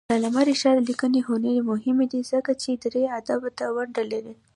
د علامه رشاد لیکنی هنر مهم دی ځکه چې دري ادب ته ونډه لري.